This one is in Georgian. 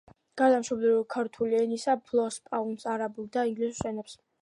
გარდა მშობლიური ქურთული ენისა ფლობს სპარსულ, არაბულ და ინგლისურ ენებს.